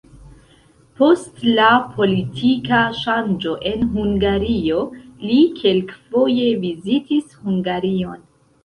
Post la politika ŝanĝo en Hungario li kelkfoje vizitis Hungarion.